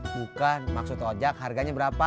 bukan maksud lo ojak harganya berapa